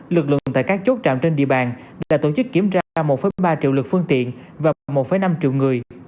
lực lượng tại các chốt trạm trên địa bàn đã tổ chức kiểm tra một ba triệu lực phương tiện và khoảng một năm triệu người